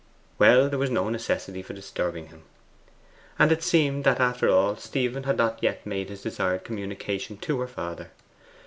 Well, there was no necessity for disturbing him. And it seemed that, after all, Stephen had not yet made his desired communication to her father.